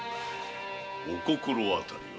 お心当たりは？